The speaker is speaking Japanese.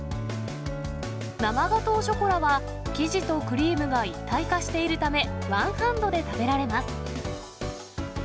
生ガトーショコラは生地とクリームが一体化しているため、ワンハンドで食べられます。